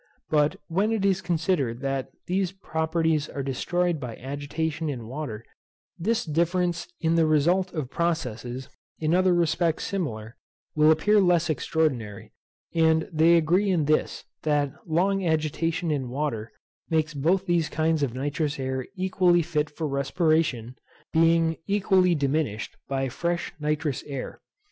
But when it is considered that these properties are destroyed by agitation in water, this difference in the result of processes, in other respects similar, will appear less extraordinary; and they agree in this, that long agitation in water makes both these kinds of nitrous air equally fit for respiration, being equally diminished by fresh nitrous air.